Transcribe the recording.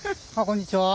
こんにちは。